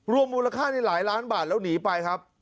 มูลค่าในหลายล้านบาทแล้วหนีไปครับ